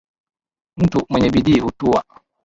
Mtu mwenye bidii hutuwa